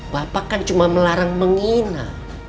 bapak kan cuma melarang menghina